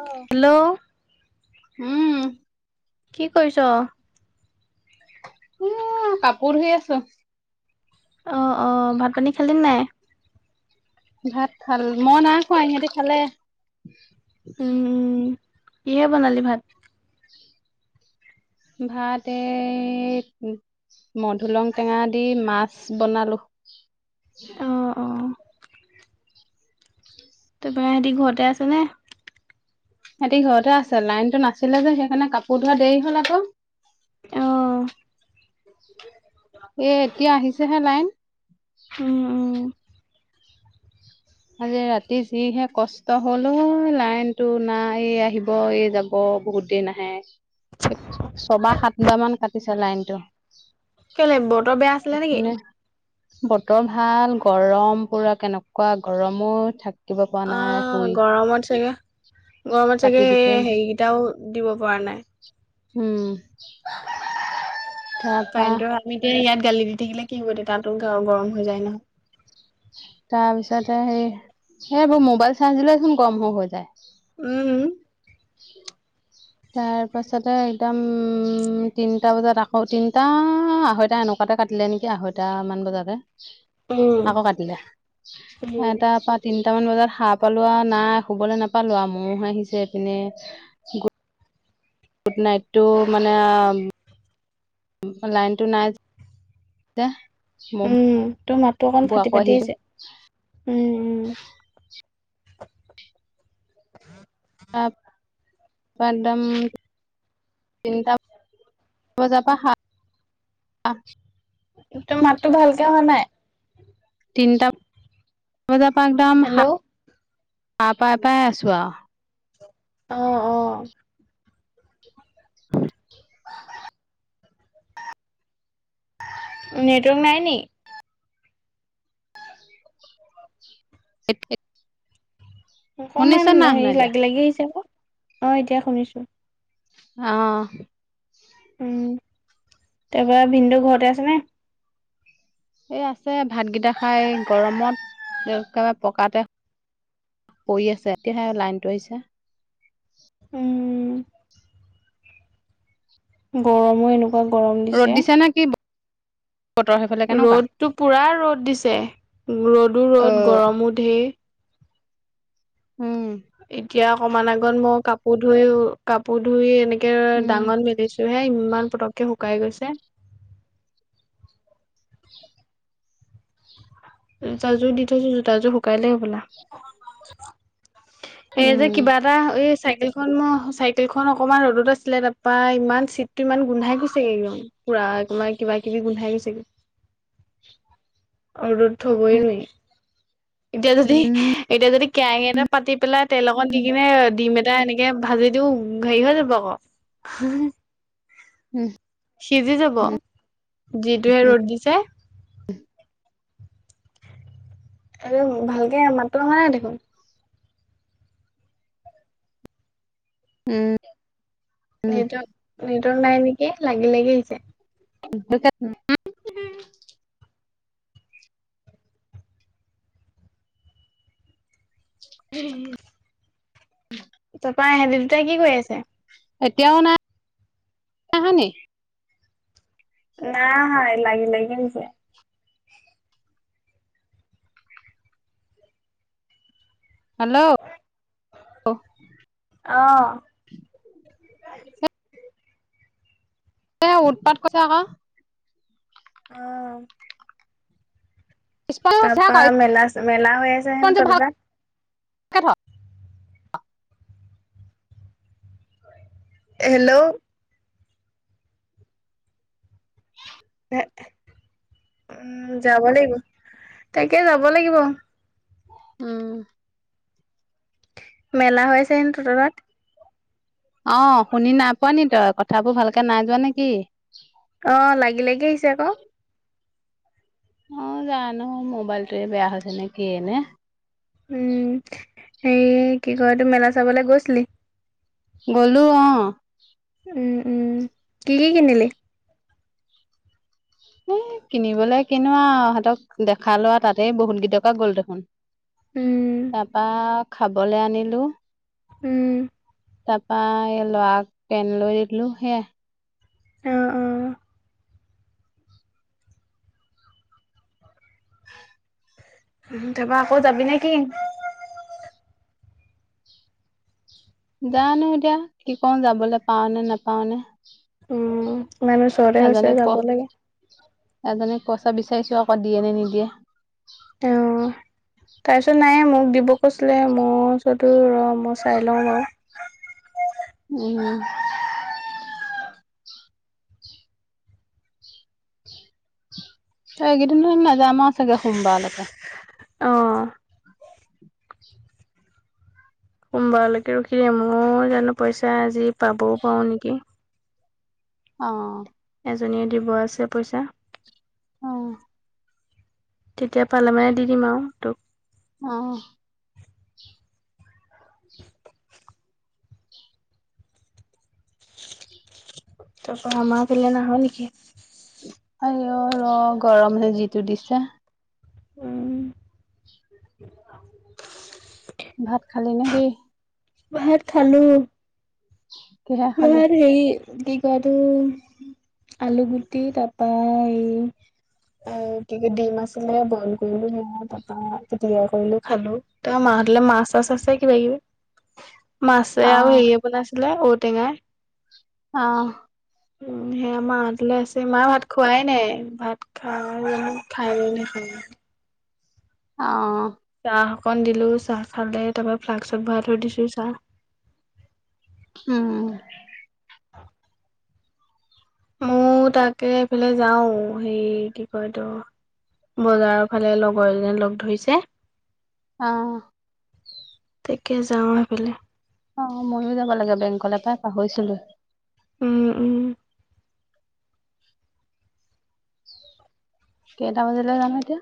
আহ, হেল্ল' উম কি কৰিছ উ কাপোৰ ধুই আছোঁ অ', অ', ভাত পানী খালি নে নাই? ভাত খাল মই না খোৱা ইিহঁতে খালে উম কিহে বনালি ভাত ভাত মধু লং টেঙা দি মাছ বনালো অ অ তাৰপৰা সিহঁতি ঘৰতে আছে নে সিহতি ঘৰতে আছে লাইনতটো নাছিলে যে সেইকাৰণে কাপোৰ ধোৱা দেৰি হ'ল আকৌ আহ, এ, এতিয়া আহিছেহে লাইন অ', অ', আজি ৰাতি যিহে কষ্ট হল লাইন টো নাই এই আহিব এই যাব বহুত দিন আহে ছবা সাতব মান কাটিছে লাইনতটো বতৰ বেয়া আছিলে নেকি পিনে বতৰ ভাল গৰম পুৰা কেনেকুৱা গৰমো থাক কিবা পোৱা অ নাই শুই গৰমত চাগে গৰমত কাটি চাগে দিছে যে হেৰিকেইটাও দিব পৰা নাই উম তাৰপা কাৰেণ্টটো আমি এতিয়া ইয়াত গালি দি থাকিলে কি হবয়া তাতো গ গৰম হৈ যায় নহয় তাৰপিছতে সে এইবোৰ মোবাইল চাৰ্জ দিলেচোন গৰম হৈ, হৈ যায় উম উ [unintelligible] তাৰ পাছতে একদম উম তিনটা বজাত আকৌ তিনটা আঢ়ৈটা এনেকুৱা ততে কাটিলে নেকি আঢৈটা মান বজাতে উম আকৌ কাটিলে উম এটাৰ পৰা তিনি কেইটামান বজাত হাহ পালো নাই শুবলৈ নাপালো ময়ো আহিছেপিনে গুড নাইটটো মানে লাইনতটো নাই ম উম তোৰ মাতটো অকণ ফাটি ফাটিয়েইছে উম হম [unintelligible] তাৰ পাৰদাম [unintelligible] তিনিটা বজাপা হা তোৰ মাতটো ভালকে অহা নাই তিনিটা বজা পা একদাম হেল্ল' সাৰ পাই পাই আছো আহ অ অ [unintelligible] নেটৱৰ্ক নাই নি [unintelligible] অকমান শুনিছা নাই শুনা হেৰি এতিয়া লাগি লাগি আহিছে আকৌ অ এতিয়া শুনিছো আহ উম তাপা ভিন্দৌ ঘৰতে আছে নে এই আছে ভাতগিটা খাই গৰমত একেবাৰে পকাতে পৰি আছে, এতিয়াহে লাইনটো আহিছে। উম', গৰমো এনেকুৱা গৰম ৰ'দ দিছে! নে কি বতৰ সেইফালে কেনেকুৱা ৰ'দটো পুৰা ৰ'দ দিছে, ৰ'দো ৰ'দ, গৰমো ধেই। উম এতিয়া অকমান আগত মই কাপোৰ ধুইয়ো, কাপোৰ ধুই এনেক উম কে-ডাঙত মেলিছোঁহে ইমান পতক্‌কে শুকাই গৈছে। জোতাযোৰ দি থৈছোঁ, জোতাযোৰ শুকালেই হ'বলা! এই যে উম কিবা এটা, এই চাইক কেলখন-চাইকেলখন অকমান ৰ'দত আছিলে, তাৰপা ইমান চিটটো ইমান গোন্ধাই গৈছেগে একদম পুৰা আ', তোমাৰ কিবা কিবি গোন্ধাই গৈছেগে, ৰ'দত থ'বই নোৱাৰি। এতিয়া যদি, উম এতিয়া যদি কেৰাহী এটা পাতি পেলাই, তেল অকন দি উম কিনে ডিম এটা এনেকে ভাজি দিওঁ ও', হেৰি হৈ যাব আকৌ। উম'। সিজি যাব, যিটোহে ৰ'দ দিছে। উহ'। আৰু ভালকে মাতটো আহা নাই দেখোন। উম'। উম। উম, নেটৱৰ্ক, নেটৱক্‌ নাই নেকি, লাগি লাগি আহিছে। [unintelligible] [unintelligible] তাপৰা এহেঁতি দুটাই কি কৰি আছে? এতিয়াও নাই, নাই আহানি? নাই আহা। এ', লাগি লাগি আহিছে। হেল্ল' অ এ', উৎপাত কৈছে আকৌ। আহ', তাৰপা, স্পঞ্জটো মেলাচ-মেলা হৈ আছে হেনো তাবাপে? কেথা হেল্ল' য়ে উম', যাব লাগিব। তাকে যাব লাগিব। উম'। মেলা হৈ আছে হেনো তোতৰ তাত? অ', শুনি নাই পোৱা নি তই? কথাবোৰ ভালকে নাই যোৱা নে কি? অ', লাগি লাগি আহিছে আকৌ! অ', জানোঁ, মোবাইলটোৱে বেয়া হৈছে নে কিয়ে নে! উম', হেই কি কয় এইটো মেলা চাবলে গৈছিলি? গ'লোঁ অ'। উম', উম', কি কি কিনিলি? এ', কিনিবলৈ কিনো আও, আহাঁতক দেখালো আও, তাতেই বহুত গিটকা গ'ল দেখোন। উম তাৰপা, খাবলে আনিলোঁ। উম'। তাৰপা, এই লআক পেন লৈ দিলো সেয়াই। অ', অ'। উহু', তাপা আকৌ যাবি নে কি? জানোঁ এতিয়া, কি কওঁ, যাবলে পাওঁ নে নাপাওঁ নে! উম', ইমান ওচৰতে হৈছে, এজনীক যাব লাগে। পইছা বিচাৰিছো আকৌ দিয়ে নে নিদিয়ে। আহ। তাৰপিছত নাই মোক দিব কৈছিলে মোৰ ওচৰতো ৰ মই চাই লওঁ বাৰু। [inaudible] উম। এইকেইদিন নাযাম আৰু চাগে সোমবালকে। অ সোমবাৰলৈকে ৰখি দিয়ে মইও জানো পইচা আজি পাবও পাৰো নেকি। অ'। এজনীয়ে দিব আছে পইচা। অ'। তেতিয়া পালে মানে দি দিম আৰু তোক। অ'। [inaudible] তাৰপৰা আমাৰ ফালে নাহ নেকি? আই অ', ৰ গৰমে হে যিটো দিছে। উম। ভাত খালী নেকি? ভাত খালো। কিহে খালি ঘৰত হেৰি কি কয় এইটো আলু গুটি তাপা এই এ কি কি দিম আছিলে বইল কৰিলো সেয়া তাৰ পা পিতিকা কৰিলো খালো তাৰ পা ম ৰাতিলে মছ চাছ আছ কিব কিবি। মাছে অ আৰু হেৰিয়ে বনাইছিলে ঔটেঙাই। আহ। উ সেই আমাৰ ৰাতিলৈ আছে মায় ভাত খোৱাই নাই ভাত খাই খাই নখা [unintelligible] অ'। চাহ অকন দিলো চাহ খালে তাপা ফ্লাক্সক ভৰা থৈ দিছো চাহ। উম। মোৰ তাকে এইফালে যাও সেই কি কয় তো বজাৰৰ ফালে লগৰ এজননি লগ ধৰিছে। অ'। তিয়কে যাওঁ সেইফালে। অ', ময়ো যাব লাগে বেংক পাই পাহৰিছিলোৱেই। উম উম। কেইটা বজিলে যানো এতিয়া।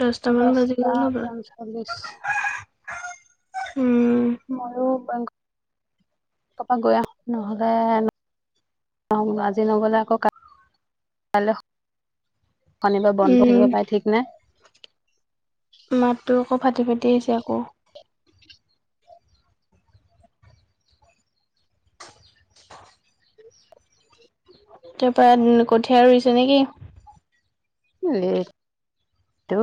দহটামান বাজি দহটা গ'ল হ'বলা পঞ্চল্লিছ। উম ময়ো বেংগ গৈ আহো নহলে আজি নগলে আকৌ কাইলৈ শনিবাৰ বন্ধ উম থাকিব পাই ঠিক নাই। মাতটো আকৌ ফাটি ফাটি আহিছে আকৌ তাৰ পৰা কঠীয়া ৰুইছে নেকি [unintelligible] নেট্ৰৱকটো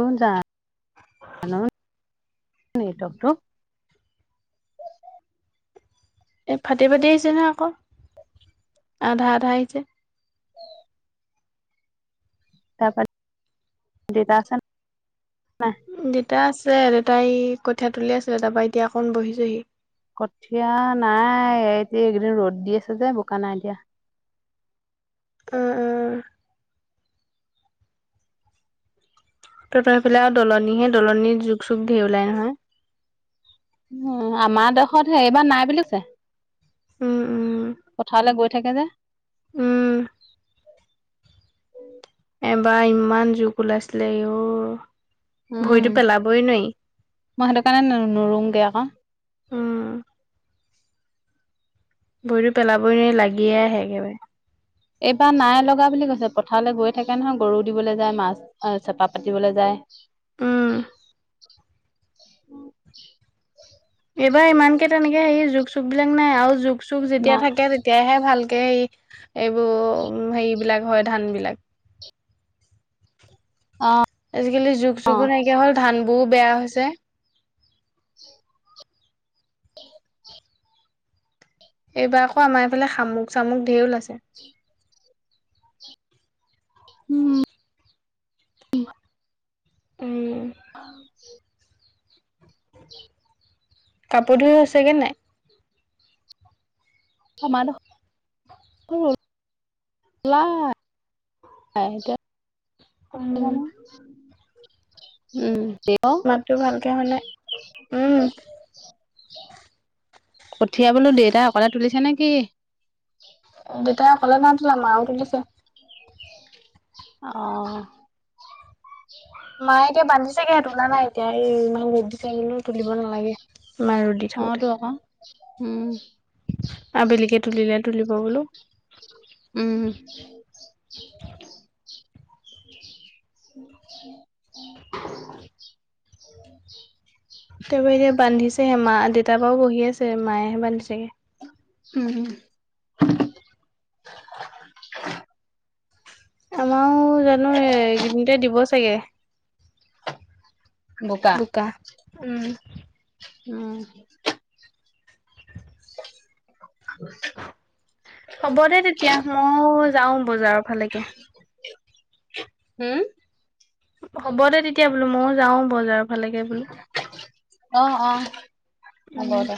[unintelligible] [inaudible] এই ফাটি ফাটি আহিছে নহয় আকৌ আধা আধা আহিছে তাপা দেতা আছে নাই দেতা আছে দেউতাই কঠিয়া তুলি আছিল তাপা এতিয়া অকণ বহিছে হি কঠীয়া নাই এতি এইকেইদিন ৰ'দ দি আছে যে বোকা নাই এতিয়া উ উ ত তেইফালে আৰু দলনিহে দলনি জুক চুক ধেই ওলাই নহয় উ আমাৰ দেশত সে এইবাৰ নাই বুলিছে উম উম পথাৰলৈ গৈ থাকে যে উম উ এবাৰ ইমান জুক ওলাইছিলে অ উম ভৰিতো পেলাবই নোৱাৰি মই সেইটো কাৰণে নন নৰুং গে আকৌ উম ভৰিটো পেলাবই ন লাগিয়ে আহে একেবাৰে এইবাৰ নাই লগা বুলি কৈছে পথাৰলৈ গৈ থাকে নহয় গৰু দিবলৈ যায় মাছ চেপা পাতিবলৈ যায় উম উম এইবাৰ ইমানকে তেনেকে হেৰী জোক চুক বিলাক নাই আৰু জোক চুখ যেতিয়া না থাকে তেতিয়াহে ভালকে হ এইবোৰ ও হেৰিবলাক হয় ধান বিলাক অ আজিকালি জোক অ চকু নাইকিয়া হ'ল ধান বহু বেয়া হৈছে উ এইবাৰ আকৌ আমাৰ এইফালে শামুক চামুক ধেৰ ওলাইছে উমম উম, অ কাপোৰ ধুই হৈছেগে নাই সম মান নাইতিয়া [inaudible] [unintelligible] উম, জানো উম কি হল মাতটো ভালকে হোৱা নাই। উম, কঠিয় বোলো দেউতা অকলে তুলিছে নেকি দেউতাই অকলে ন তলা মাও তুলিছে অ মায়ে এতিয়া বান্ধিছে গে তোলা নাই এতিয়া এই ইমান ৰদ দিছে গে তুলিব নালাগে ইমান ৰদ দি অ থাকোতে তো আকৌ উম আবেলিকে তুলিলে তুলিব বোলো উম [unintelligible] ত এতিয়া বান্ধিছেহে মা দেউতাৰ বাও বহি আছে মায়েহে বান্ধিছেগে উম [inaudible] আমাৰো জানো এইকেইদিনতে দিব চাগে বোকা উম উম [unintelligible] হ'ব দে তেতিয়া মই যাও বজাৰৰ ফালেকে হম হ'ব দে তেতিয়া বোলো মইও যাও বজাৰ আহ আহব উম দে